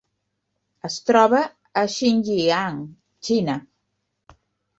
Es troba a Xinjiang, Xina.